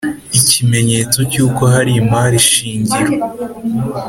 Ikimenyetso cy uko hari imari shingiro.